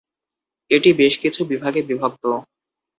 এটি বেশ কিছু বিভাগে বিভক্ত।